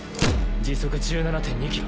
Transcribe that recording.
時速１７．２ｋｍ。